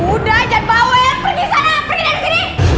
udah jangan bawa yang pergi sana pergi dari sini